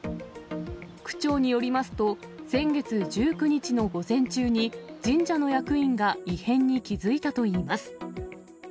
区長によりますと、先月１９日の午前中に、神社の役員が異変に気付いたといいます。